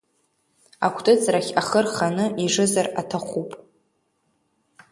Акәтыҵрахь ахы рханы ижызар аҭахуп.